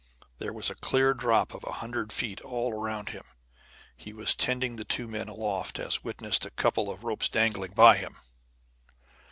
There was a clear drop of a hundred feet all around him. He was "tending" the two men aloft, as witnessed a couple of ropes dangling by him.